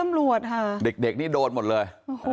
อันนี้โดนหมดเลย